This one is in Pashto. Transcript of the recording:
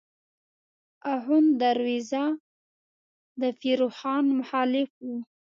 آخوند دروېزه د پیر روښان مخالف و.